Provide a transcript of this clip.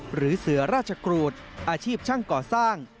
หรือเสือราชกรูดอาชีพช่างก่อสร้าง